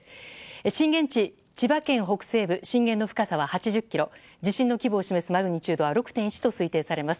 震源地、千葉県北西部震源の深さは８０ｋｍ地震の規模を示すマグニチュードは６．１と推定されます。